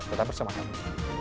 tetap bersama kami